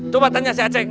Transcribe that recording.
coba tanya si aceng